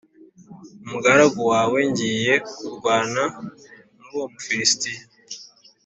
umugaragu wawe ngiye kurwana n’uwo Mufilisitiya.